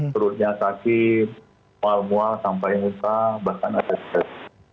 turutnya sakit mual mual sampai hepa bahkan ada ses